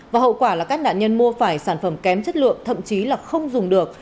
và hậu quả là các nạn nhân mua phải sản phẩm kém chất lượng thậm chí là không dùng được